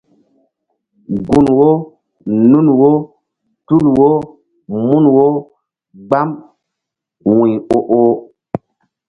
Gun wo nun wo tul wo mun wo gbam wu̧y o oh.